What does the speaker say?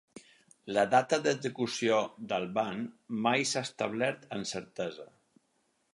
La data de l'execució d'Alban mai s'ha establert amb certesa.